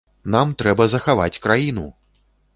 Нам трэба захаваць краіну!